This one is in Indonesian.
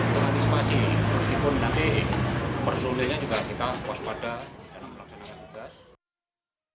dengan disipasi meskipun nanti personelnya juga kita kuas pada dalam melaksanakan tugas